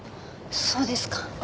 そうですか。